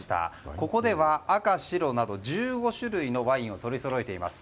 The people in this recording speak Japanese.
ここでは赤、白など１５種類のワインを取りそろえています。